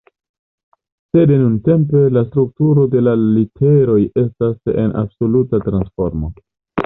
Sed nuntempe, la strukturo de la literoj estas en absoluta transformo.